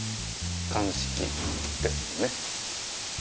鑑識ですね。